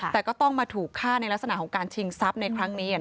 แต่ก็ต้องมาถูกฆ่าในลักษณะของการชิงทรัพย์ในครั้งนี้